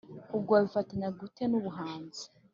ubwo wabifatanyaga ute n’ubuhanzi?